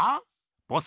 ボス